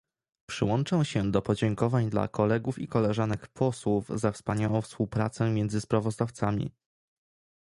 Przyłączam się do podziękowań dla kolegów i koleżanek posłów za wspaniałą współpracę między sprawozdawcami